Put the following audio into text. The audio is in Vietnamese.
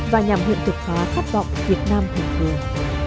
và nhằm hiện thực phá khát vọng việt nam thường thường